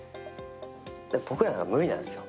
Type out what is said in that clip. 僕らなんか無理なんですよ。